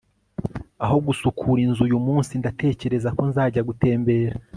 aho gusukura inzu uyumunsi, ndatekereza ko nzajya gutembera